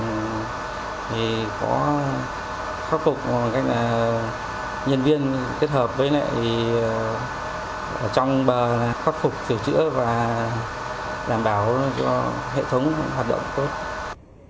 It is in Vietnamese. thì có khắc phục một cách là nhân viên kết hợp với lại trong bờ khắc phục sửa chữa và đảm bảo cho hệ thống hoạt động tốt